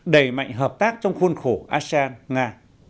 đầy mạnh hợp tác trong khuôn khổ asean nga